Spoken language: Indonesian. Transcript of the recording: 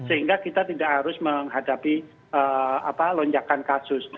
sehingga kita tidak harus menghadapi lonjakan kasus